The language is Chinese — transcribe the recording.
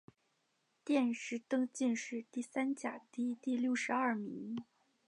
殿试登进士第三甲第六十二名。